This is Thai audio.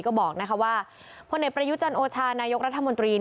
ก็บอกนะคะว่าพ่อเหน็ตประยุจรรย์โอชานายกรัฐมนตรี